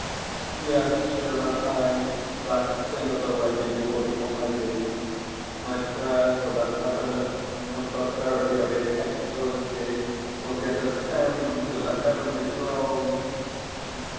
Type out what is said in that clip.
Yes, sure am I that, sinner though I be before the Almighty, my prayers for the happiness and prosperity of his Excellency will yet ascend to the Heavenly Throne!...